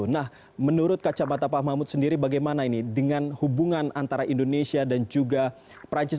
nah menurut kacamata pak mahmud sendiri bagaimana ini dengan hubungan antara indonesia dan juga perancis